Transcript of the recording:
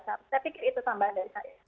saya pikir itu tambahan dari saya